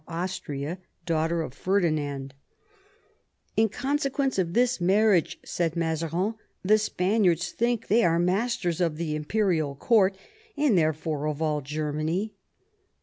Austria, daughter of Ferdinand. 188 MAZARIN chap. "In consequence of this marriage," said Mazarin, "the Spaniards think they are masters of the imperial court, and therefore of all Germany."